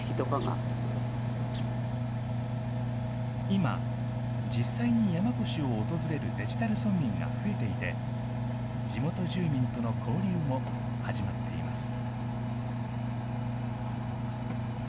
今、実際に山古志を訪れるデジタル村民が増えていて、地元住民との交流も始まっています。